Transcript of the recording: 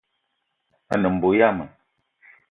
A ne mbo yama